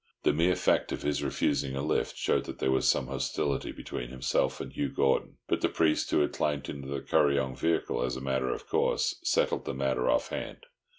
The mere fact of his refusing a lift showed that there was some hostility between himself and Hugh Gordon; but the priest, who had climbed into the Kuryong vehicle as a matter of course, settled the matter off hand.